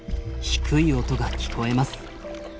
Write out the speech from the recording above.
低い音が聞こえます。